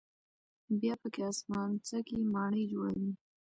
بیا پکې آسمانڅکې ماڼۍ جوړوي.